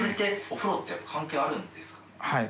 はい。